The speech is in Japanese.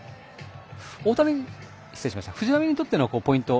藤浪にとってのポイント